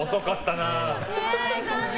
残念！